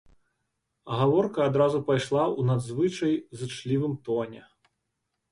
Гаворка адразу пайшла ў надзвычай зычлівым тоне.